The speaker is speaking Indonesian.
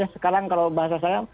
sekarang kalau bahasa saya